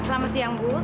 selamat siang bu